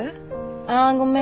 あごめん。